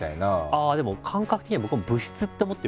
ああでも感覚的には僕も部室って思ってるんですよ。